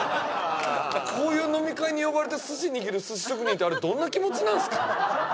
こういう飲み会に呼ばれて寿司握る寿司職人ってあれどんな気持ちなんすか？